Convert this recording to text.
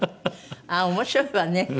ああ面白いわね。